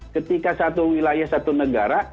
ketika satu wilayah satu negara